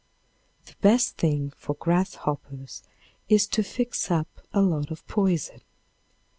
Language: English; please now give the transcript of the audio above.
The best thing for grasshoppers is to fix up a lot of poison.